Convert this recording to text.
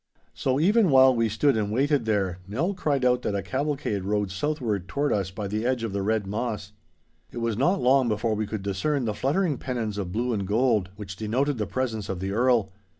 So even while we stood and waited there, Nell cried out that a cavalcade rode southward toward us by the edge of the Red Moss. It was not long before we could discern the fluttering pennons of blue and gold, which denoted the presence of the Earl.